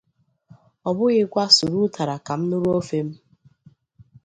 Ọ bụghịkwa 'suru ụtara ka m nuru ofe m'